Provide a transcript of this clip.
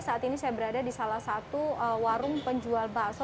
saat ini saya berada di salah satu warung penjual bakso